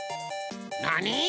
なに？